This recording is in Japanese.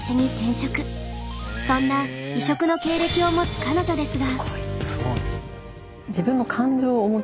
そんな異色の経歴を持つ彼女ですが。